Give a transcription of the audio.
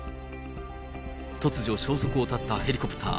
突如消息を絶ったヘリコプター。